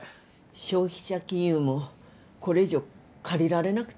消費者金融もこれ以上借りられなくて。